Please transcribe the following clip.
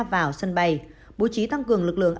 vào sân bay bố trí tăng cường lực lượng